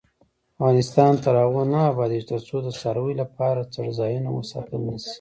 افغانستان تر هغو نه ابادیږي، ترڅو د څارویو لپاره څړځایونه وساتل نشي.